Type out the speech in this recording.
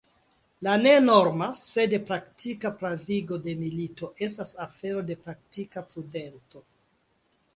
La ne norma, sed praktika pravigo de milito estas afero de praktika prudento.